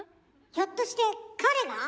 ひょっとして彼が？